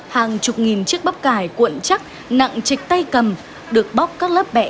hàng chục nghìn chiếc bắp cải cuộn chắc nặng trịch tay cầm được bóc các lớp bẹ